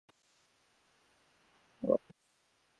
তোমার কথা শুনতে পাচ্ছি না, হ্যালো।